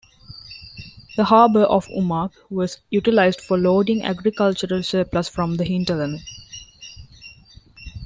The harbour of Umag was utilised for loading agricultural surplus from the hinterland.